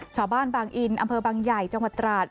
ชาวบ้านบางอินอำเภอบางใหญ่จังหวัดตราด